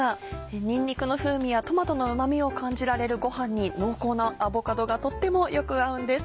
にんにくの風味やトマトのうま味を感じられるごはんに濃厚なアボカドがとってもよく合うんです。